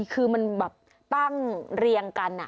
คือมันแบบตั้งเรียงกัน